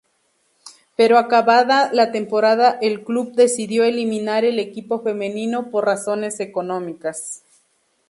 Pero acabada la temporada el club decidió eliminar el equipo femenino por razones económicas.